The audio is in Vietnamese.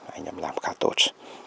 anh em làm khá tốt